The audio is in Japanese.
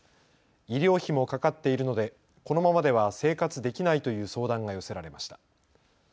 医療費もかかっているのでこのままでは生活できないという相談が寄せられました。